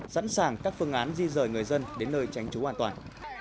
sẵn sàng các phương án di rời người dân đến nơi tránh trú an toàn